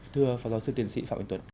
thưa phó giáo sư tiến sĩ phạm anh tuấn